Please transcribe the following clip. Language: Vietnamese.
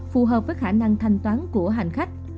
phù hợp với khả năng thanh toán của hành khách